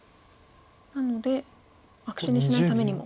なので悪手にしないためにも。